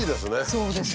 そうですね。